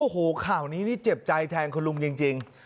โอ้โหข่าวนี้นี่เจ็บใจแทนคุณลุงจริง